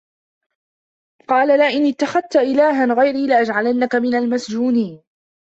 قالَ لَئِنِ اتَّخَذتَ إِلهًا غَيري لَأَجعَلَنَّكَ مِنَ المَسجونينَ